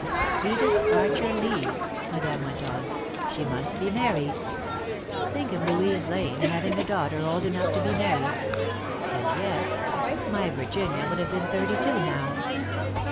"Edith Archer Lee," Madame went on. "She must be married. Think of Louise Lane having a daughter old enough to be married! And yet my Virginia would have been thirty two now.